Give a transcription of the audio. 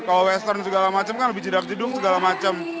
kalau western segala macem kan lebih jerak jeduk segala macem